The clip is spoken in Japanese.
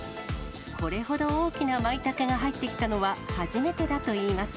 これほど大きなまいたけが入ってきたのは、初めてだといいます。